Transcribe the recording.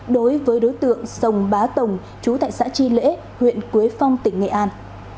đối với đối tượng sông bá tồng chú tại xã chi lễ huyện quế phong tỉnh nghệ an